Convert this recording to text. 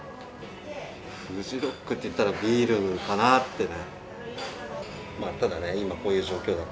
フジロックっていったらビールかなってね。